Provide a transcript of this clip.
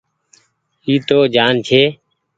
اي تو ڃآن ڇي۔